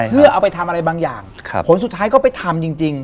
เพื่อเอาไปทำอะไรบางอย่างผลสุดท้ายก็ไปทำจริง